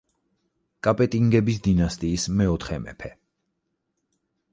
კაპეტინგების დინასტიის მეოთხე მეფე.